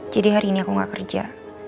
jadi hari ini aku nggak kerja